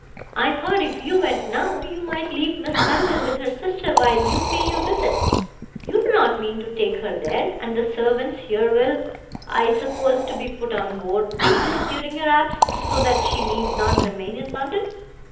I thought if you went now you might leave Miss Melville with her sister while you pay your visit. You do not mean to take her there, and the servants here will, I suppose, be put on board wages during your absence, so that she need not remain in London."